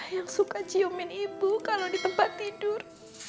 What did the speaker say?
yang suka ciumin ibu kalau di tempat tidur